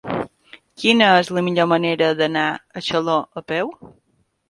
Quina és la millor manera d'anar a Xaló a peu?